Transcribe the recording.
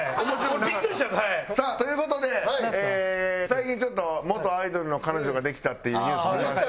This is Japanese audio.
最近ちょっと元アイドルの彼女ができたっていうニュース。